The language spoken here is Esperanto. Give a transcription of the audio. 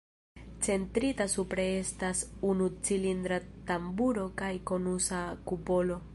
Centrita supre estas unu cilindra tamburo kaj konusa kupolo.